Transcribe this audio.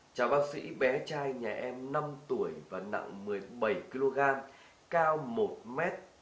chào bác sĩ bé trai nhà em năm tuổi và nặng một mươi bảy kg cao một m một mươi năm